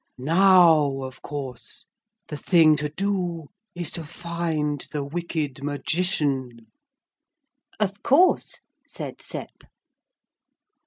Now, of course, the thing to do is to find the wicked Magician.' 'Of course,' said Sep.